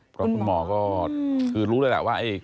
เพราะคุณหมอก็คือรู้เลยแหละว่า